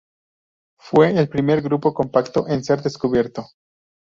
Fue el primer grupo compacto en ser descubierto.